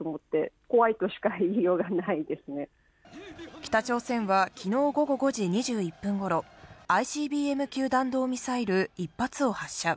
北朝鮮は昨日午後５時２１分頃、ＩＣＢＭ級弾道ミサイル１発を発射。